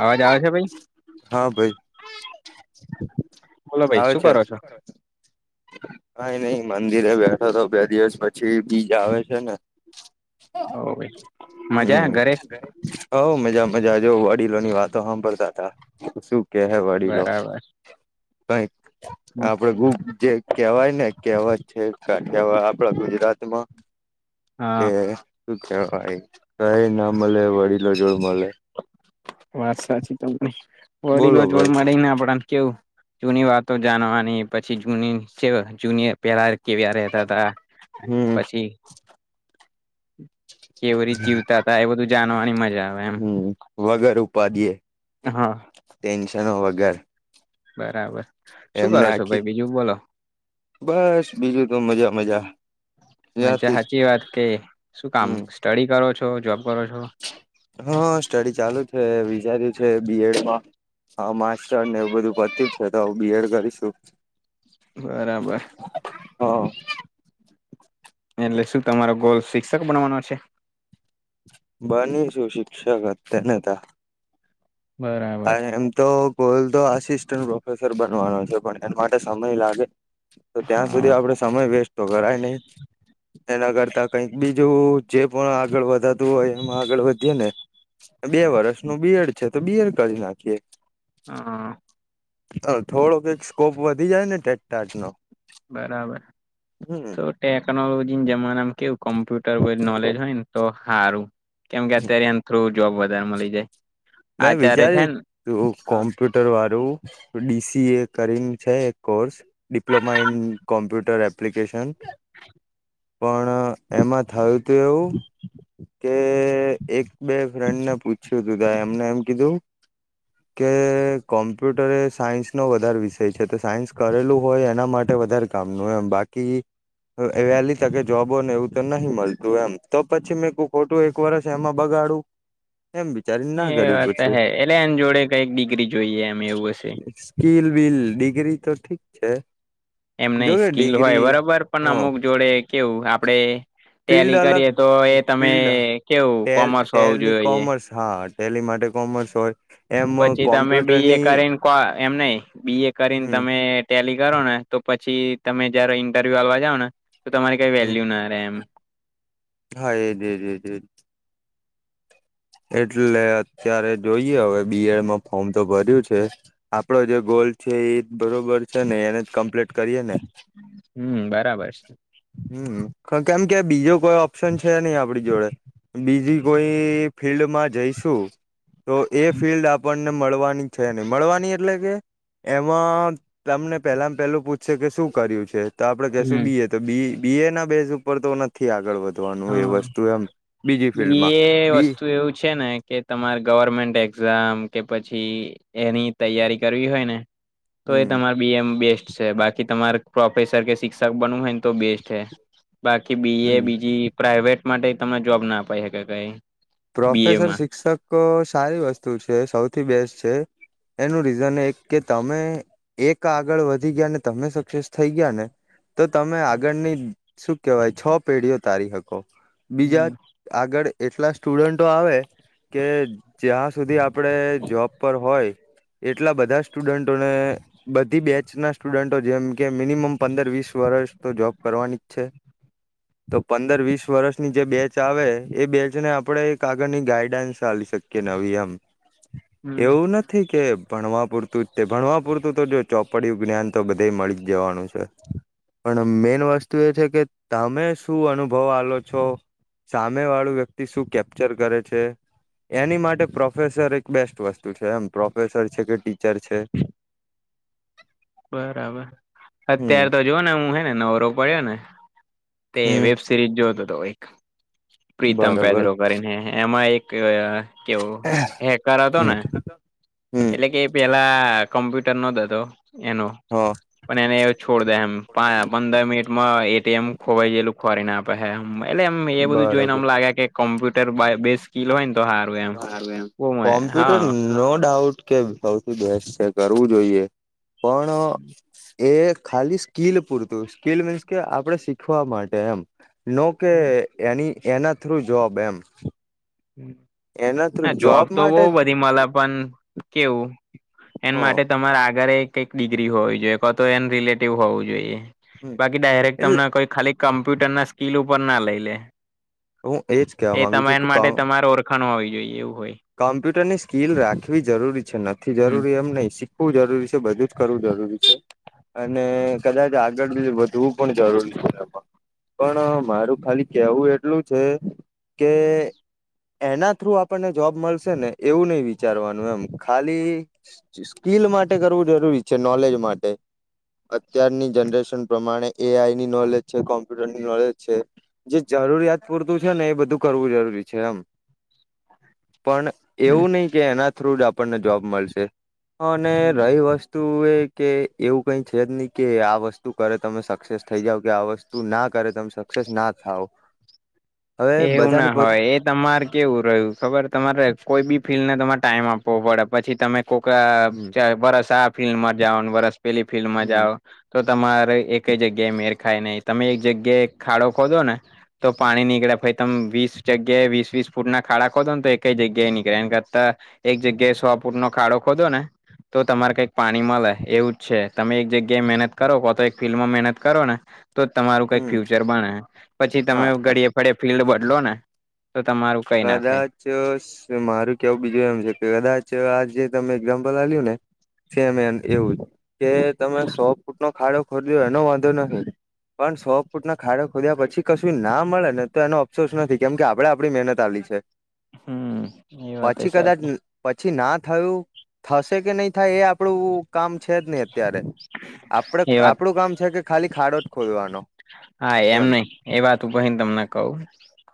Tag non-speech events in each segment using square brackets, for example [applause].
અવાજ આવે છે ભઈ? હા ભઈ બોલો ભાઈ આવે શું છે. કરો છો કઈ નઈ મંદિરે બેઠો તો બે દિવસ પછી બીજ આવે છે ને. હ ભાઈ. મજા હમ. ઘરે હ મજા મજા જો અડીલો ની વાતો હમભડતા તા બીજુ શું- કહેવાડીલો બરાબર કઈક આપડે જે કેવાય ને કેવત છે કઠિયા આપડા ગુજરાત માં હા કે શું કેવાય કઈ ના મળે વડીલો જોડ મળે. વાત સાચી તમને વળડીલો બોલો જોડ ભાઈ મળેને આપડાને કેવું જૂની વાતો જાણવાની પછી જૂની સે જુનિયર પેલા કેવ્યા રેતા હતા હમ પછી કેવવી રીતે [unintelligible] હતતા એ બધું જાણવાની મજા આવે એમ. હમ વગર ઉપાધિ એ હા. ટેન્શનો વગર. બરાબર. શું એમને કરો છો ભાઈ આખી બીજું બોલો બસ બીજું તો મજા મજા. મજ ત્યાંથી સાચી વાત કે શું કામ હમ સ્ટડી કરો છો જોબ કરો છો. હા સ્ટડી ચાલુ છે વિચાર્યું છે બી. એડમાં. હા માસ્ટર ને એવું બધું પતિ છે તો હ બીએડ કરીશું. બરાબર. હ. એટલે શું તમારો ગોલ શિક્ષક બણવાનો છે.? બની શું શિક્ષક જ તેનેતા. બરાબર એમ તો ગોલ તો આસિસ્ટન્ટ પ્રોફેસર બનવાનો છે પણ એના માટે સમય લાગે. તો ત્યાં હા સુધી આપડે સમય વેસ્ટ તો કરાય નહીં. એના કરતા કઈક બીજું જે પણ આગળ વધાતું હોય એમાં આગળ વધીએ ને. બે વર્ષનું બી. એડ છે તો બી. એડ કરી નાખીએ. હા. અ થોડોક જ સ્કોપ વધી જાય ને ટેક ટાટ નો. બરાબર હમ તો ટેકનોલોજી જમાના મા કેવું કમ્પ્યુટર બ નોલેજ હોય ને. તો સારું કેમ કે અત્યારે એ થ્રુ જોબ વધારે મ લી જાય. મેં આચાર્ય છે વિચાર્યું. ને તો હા કોમ્પ્યુટર વાળું ડી. સી. એ કરીને છે એક course. Diploma in computer application. પણ એમાં થયું તે એવું. કે એક બે ફ્રેન્ડ ને પૂછ્યું તું તા એમને એમ કીધું. કે કોમ્પ્યુટર એ સાયન્સ નો વધારે વિષય છે તો સાયન્સ કરેલું હોય એના માટે વધારે. કામનો એમ બાકી વેલી તકે જ. જોબો ને એવું તો નહી મળતું એમ તો પછી મેં કુ ખોટું એક વર્ષ એમાં બગાડું. એમ વિચારીને ના. એ કર્યું વાત હે પછી એટલે એમ જોડે કઈક ડિગ્રી જોઈએ એમ એવું હશે. સ્કીલ બિલ ડિગ્રી તો ઠીક છે. એમ નહીં જોકે સ્કિલ હોય ડિગ્રી બરોબર હ પણ અમુક જોડે કેવું આપડે. ફિલ્ડ ટેલી અલગ કરીએ તો એ તમે ફિલ્ડ કેવું ટેલ કોમર્સ હોવું ટેલી જોઈએ. કોમર્સ હા ટેલી માટે કોમર્સ હોય. એમ પછી તમે બી. એ કોમ્પ્યુટરની કરીને કો એમ નઈ બી. એ કરીને હમ તમે. ટેલી કરો ને તો પછી તમે જયારે ઈન્ટરવ્યુ હાલવા જાવ ને તો તમારી કઈ હમ વેલ્યુ ના રહેે એમ. હા એ જે જે જ. એટલે અત્યારે જોઈએ હવે બી. એડમાં ફોર્મ તો ભર્યું છે. આપડો જે ગોલ છે એ જ બરોબર છે ને એને જ કમ્પ્લેટ કરીએ ને. હમ બરાબર છે. હમ કેમ કે બીજો કોઈ ઓપ્શન છે નહી આપણી જોડે. બીજી કોઈ ફિલ્ડમાં જઈશું. તો એ ફિલ્ડ આપણને મળવાની છે ન‌ઇ મળવાની એટલે કે એમાં તમને પહેલામાં પહેલું પૂછશે કે શું કર્યું છે. તો આપડે કેશું હમ બી એ તો બી બી એ ના બેઝ ઉપર તો નથી. થી આગળ વધવાનું એ હા. વસ્તુ એમ બીજી ફિલ્ડમાં બી. તો એવું છે ને કે. તમારે ગવર્મેન્ટ એક્ઝામ કે પછી એની તૈયારી કરવી હોય ને. તો એ હમ તમારે. બી. એમ બેસ્ટ છે બાકી તમારે પ્રોફેસર કે શિક્ષક બનવું હોય ને તો બેસ્ટ સે. બાકી બી. એ બીજી પ્રાઈવેટ માટે તમને જોબ ના અપાઈ હકે કઈ. બી પ્રોફેસર એમાં. શિક્ષક અ સારી વસ્તુ છે સૌથી બેસ્ટ છે. એનું રીઝન એક કે તમે. એક આગળ વધી ગયા ને તમે સક્સેસ થઈ ગયા ને. તો તમે આગળની શું કહેવાય છ પેઢીઓ તારી શકો બીજા હમ. આગળ એટલા સ્ટુડન્ટો આવે કે જ્યાં સુધી આપ. આપણે જોબ પર હોય એટલા બધા સ્ટુડન્ટોને બધી બેચ ના સ્ટુડન્ટો જેમ કે મિનિમમ પંદર વીસ વર્ષ તો જોબ કરવાની જ છે. હ [unintelligible] તો પંદર વીસ વર્ષની જે બેચ આવે એ બેચ ને આપ આપડણે એક આગળની ગાઈડન્સ ચાલી શકીએ નવી એમ હમ એવું નથ. નથી કે ભણવા પૂરતું જ તે ભણવા પૂરતું તો જો ચોપડી જ્ઞાન તો બધે મળી જ જવાનું છે. [unintelligible] પણ મેન વસ્તુ એ છે કે તમે શું અનુભવ આલો છો. સામે વાળું વ્યક્તિ શું કેપ્ચર કરે છે. એની માટે પ્રોફેસર એક બેસ્ટ વસ્તુ છે એમ પ્રોફેસર છે કે ટીચર છે. બરાબર હમ અત્યારે તો જો ને હું હે ને નવરો પડ્યો ને. તે વેબ હમ સિરીઝ જોતો હતો એક પ્રીતમ પેદ્રો બરોબર કરીને હે એમાં એક. કે કેવું હેકર હતો ને. હમ હમ એટલે કે પેલા કોમ્પ્યુટર નો ઘંધો એનો. હા. પણ એને છોડ દે એમ પ પંદર મિનિટમાં એટીએમ ખોવાઈ ગેલું ખોરી ને આપ. હે એલેમ એ બધું જોઈનેમ બરોબર લાગે કે કોમ્પ્યુટર બે સ્કીિલ હોય ને તો હારું. Computer no doubt. કે સૌથી બેસ્ટ છે કરવું જોઈએ પણ એ ખાલી સ્કીલ પૂરતું સ્કીલ મીન્સ કે આપડણે શીખવા માટે એમ. નો કે એની એના થ્રુ જોબ એમ. એના હ થ્રુ જોબ તો બહુ માટે જ બધી મલે પણ કેવું એના માટે તમારે આગળ એ. કઈક ડિગ્રી હોવી જોઈએ ક તો એન રિલેટિવ હોવું જોઈએ હ બાકી ડાયરેક્ટ એટલે તમને કોઈ ખાલી કમ્પ્યુટર ના સ્કીિલુ ઉપર ના લઈ લે હું એજ કહેવા એ માંગુ છું તમા માટે. મારે ઓરખાણો હોવી જોઈએ એવું હોય. કમ્પ્યુટર ની સ્કીિલ રાખવી જરૂરી છે નથી હમ જરૂરી એમ નહી શી. શીખવું જરૂરી છે બધું જ કરવું જરૂરી છે. અને કદાચ આગળ બી વધવું પણ જરૂરી છે એમાં. પણ મારું ખાલી કેવું એટલું છે કે. એના થ્રુ આપણને જોબ મળશે ને એવું નઈ વિચારવાનું એમ ખાલી સ્કીિલ માટે કરવું જરૂરી છે નોલેજ માટે અત્યારની જનરેશન પ્રમાણે એ આઈ ની નોલેજ છે કોમ્પ્યુટર ની નોલેજ છે. જે જરૂરિયાત પૂરતું છે ને એ બધું કરવું જરૂરી છે એમ. પણ એવું નહી કે એના થ્રુ જ આપણને જોબ મળશે અને હમ. રહી વસ્ તુ એ કે એવું કઈ છે જ નહી કે આ વસ્તુ કરે તમે સક્સેસ થઈ જાવ કે આ વસ્ તું ના કરે તમે સક્સેસ ના થાવ. હવે એવું ના બધાની પોત હોય એ તમારે કેવું રહ્યું ખબર તમારે કોઈ બી ફિલ્ડને તમારે ટાઈમ આપ પો પડે પછી તમે કોક હમ વરસ આ ફિલ્મમાં જાઓ, વરસ પેલી ફિલ્મમાં હમ જાઓ. તો તમારે એક જગ્યાએ મેરખાય નહી તમે એક જગ્યાએ ખાડો ખોદો ને તો પાણી નીકળે ભ તમે વીસ જગ્યાએ વીસ વીસ ફૂટ ના ખાડા ખોદો ને તો એક જગ્યાએ એ નીકળે એ કરતા એક જગ્યાએ સો પુર નો ખાડો ખોધો ને તો તમારે કંઈક પાણી મળે એવું જ છે તમે એક જગ્યાએ મહેનત કરો કો તો એક ફિલ્ડમાં મહેનત કરો ને તો તમારું કઈ હમ ફ્યુચર બને પછી તમે હા ઘડીએ ફળે ફિલ્ડ બદલો ને તો તમારું કઈ ના થાય. કદા ચ મારું કેવું બીજું એમ છે કે કદાચ આ જે તમે એઝામ્પલ આપ્યું ને છેને એમ એવું કે તમે સો ફૂટ નો ખાડો ખોલ્યો એનો વાંધો નથી પણ સો ફૂટ ના ખાડા ખોદ્યા પછી કશું ના મળે ને તો એનો અફસોસ નથી કેમ કે આપડે આપણી મહેનત કાલી છે. હમ એ વાત એ પાછી કદાચ સાચી. પછી ના થયું થશે કે નહી થાય એ આપણું કામ છે જ નહી અત્યારે આપડે એ વાત આપણું કામ છે કે ખાલી ખાડો જ ખોડવાનો. હા એમ નઈ એ વાત ઉપર ભને તમને કવું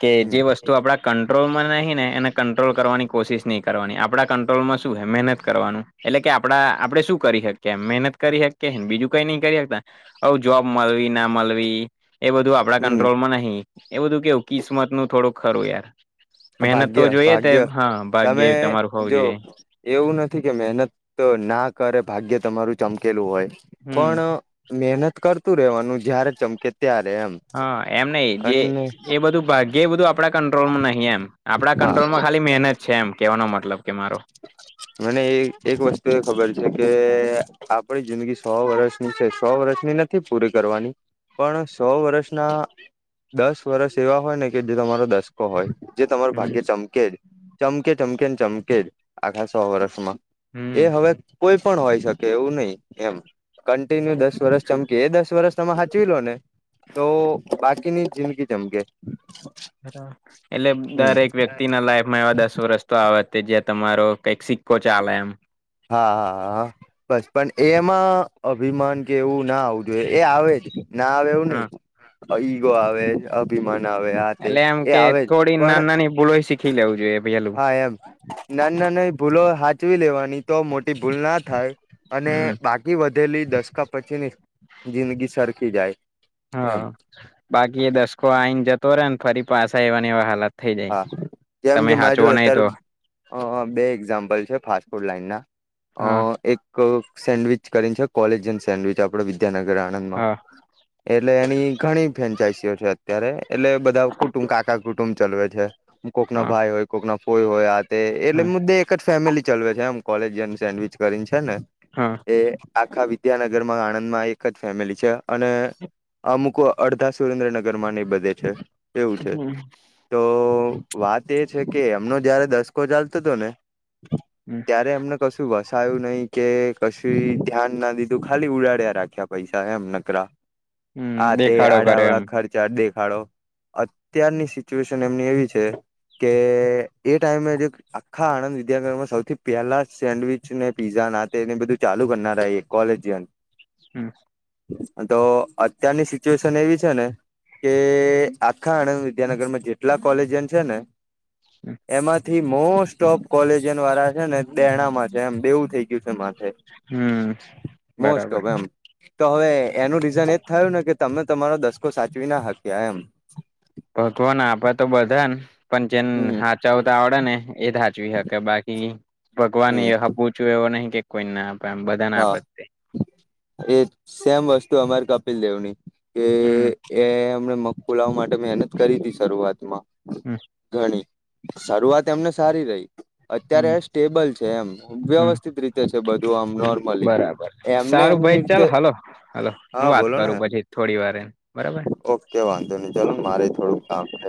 કે જે હમ વસ્તુ આપડા કંટ્રોલમાં નહીં ને એને કંટ્રોલ કરવાની કોશિશ નહીં કરવાની આપણા કંટ્રોલમાં શું હે મહેનત કરવાનું એટલે કે આપડા આપડે શું કરી શકીએ મહેનત કરી શકીએ બીજું કઈ નઈ કરી શકતા અવ જોબ મળવી ના મળવી એ બધું આપડા હમ કંટ્રોલમાં નહીં એ બધું કેવું કિસ્મત નું થોડુંક ખરું યાર. મહેનત ભાગ્ય તો જોઈએ તે ભાગ્ય હા ભાગ્યેવી તમે તમારું હોવું જો જોઈએ. એવું નથી કે મહેનત ના કરે ભાગ્ય તમારું ચમકેલું હોય હમ પણ મહેનત કરતું રેવાનું જયારે ચમકે ત્યારે એમ હા એમ નઈ જે અને એ બધું ભાગ્ય બધું આપણા કંટ્રોલમાં નહીં એમ આપણા હા કંટ્રોલમાં ખાલી મહેનત છે એમ કેહેવાનો મતલબ કે મારો. મને એક વસ્તુ એ ખબર છે કે આપડી જિંદગી સો વર્ષની છે સો વર્ષની નથી પૂરી કરવાની પણ સો વર્ષના દસ વર્ષ એવા હોય ને કે જે તમારો દસ હોય જે તમારું હમ ભાગ્ય ચમકે જ ચમકે ચમકે ને ચમકે જ આખા સો વર્ષમાં એ હમ હવે કોઈ પણ હોય શકે એવું નહી એમ. કન્ટિન્યુ દસ વર્ષ ચમકી એ દસ વર્ષ તમે સાચવી લો ને તો બાકીની જિંદગી જમગે. બરાબર એટલે દરેક વ્યક્તિ ના લાઈફ માં એવા દસ વર્ષ તો આ વાતે જ્યાં તમારો કક સિક્કો ચાલે એમ. હા હા આ. બસ પણ એમાં અભિમાન કે એવું ના આવવું જોઈએ એ આવે જ. ના આવે એવું નઈ, હા ઈગો આવે અભિમાન આવે આ તે એ આવે જ પણ બોલોઈ શીખીેવું જોઈએ પ હા એમ ના ના ના ભૂલો સાાચવી લેવાની તો મોટી ભૂલ ના થાય અને હમ બાકી વધેલી દશકા પછીની જિંદગી સરખી જાય હા એમ બાકી એ દસકો આ આવીને જતો રહેે ને ફરી પાછા એવાની એવા હાલત થઈ જાય હા, જેમ તમે કે મા હાચવો જોડ નહી અત્યારે તો અ બે એક્ઝામ્પલ છે ફાસ્ટ ફૂડ લાઈન ના અ હા એક સેન્ડવીચ કરીને છે કોલેજયન સેન્ડવીચ આપડ વિદ્યાનગર આણંદ માં. હા એટલે એની ઘણી ફ્રેન્ચાઈસીઓ છે અત્યારે એટલે બધા કુટુંબ, કાકા કુટુંબ ચલવે છે કોક ના હા ભાઈ હોય, કોક ના કોઈ હોય આ તે એટલે હા મુદ્દે એક ફેમિલી ચાલવે છે એમ કોલેજયન સેન્ડવીચ કરીને છે ને. હા એ આખા વિદ્યાનગરમાં આણંદમાં એક જ ફેમિલી છે અને અમુકો અડધા સુરેન્દ્રનગર માં નહી બધે છે એવું છે હમ તો વાત એ છે કે એમનો જયારે દસકો ચાલતો હતો ને હમ ત્યારે એમને કશું વસાયું નહી કે કશું ધ્યાન ના દીધું ખાલી ઉડાડ્યા રાખ્યા પૈસા એમ નકરા હમ આા તે દેખાડો કરે આડાડા એમ ખર્ચા દેખાડો અત્યારની સુશન એમની એવી છે કે એ ટાઈમે જે આખા આણંદ વિદ્યાનગરમાં સૌથી પહેલા સેન્ડવીચ ને પીઝા નાને બધું ચાલુ કરનાર કોલેજ હમ તો અત્યારની સિચ્યુએશન એવી છે ને કે આખા આણંદ વિદ્યાનગરમાં જેટલા કોલેજન છે ને એમાંથી મોસ્ટ ઓફ કોલેજયન વાળા છે ને દેણામાં છે એમ બેેવું થઈ ગયું છે મારે હમ મોસ્ટ બરાબર ઓફ એમ તો હવે એનું રીઝન એજ થયું ને કે તમે તમારો દસકો સાચવી ના શક્યા એમ ભવાને આપે તો બધાને પણ જેને હમ હાચાવ તો આવડે ને એ સાાચવી હકે બાકી ભગવાન હમ એ હ પૂછું એવો નહીિ કે કોઈ ના એબધન હા આપતે એ સેમ વસ્તુ અમારી કપિલ દેવની કે હમ એમને મગફુલાવા માટે મહેનત કરી હતીી શરૂઆતમાં હમ ઘણી શરૂઆત એમને સારી રહી હમ અત્યારે સ્ટેબલ છે એમ હમ વ્યવસ્થિત રીતે છે બધું આમ ન બરાબર સારું ભાઈ ચાલ હલો હલો હા હું વાત બોલો ને કરું પછી થોડી વાર બરાબર ઓકે વાંધો નહી ચાલ મારે થોડુંક કામ છે